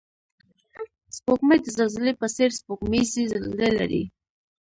سپوږمۍ د زلزلې په څېر سپوږمیزې زلزلې لري